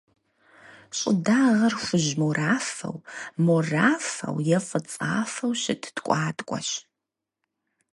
ЩӀыдагъэр — хужь-морафэу, морафэу е фӀыцӀафэу щыт ткӀуаткӀуэщ.